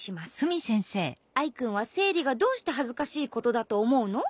アイくんはせいりがどうしてはずかしいことだとおもうの？